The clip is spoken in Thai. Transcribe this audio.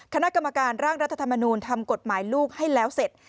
คณะกรรมการร่างรัฐธรรมนูลทำกฎหมายลูกให้แล้วเสร็จ